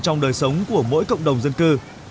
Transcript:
trong đời sống của mỗi cộng đồng dân cư